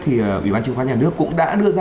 thì ủy ban chứng khoán nhà nước cũng đã đưa ra